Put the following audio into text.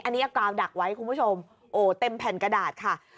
อันนี้เอากาวดักไว้คุณผู้ชมโอ้เต็มแผ่นกระดาษค่ะ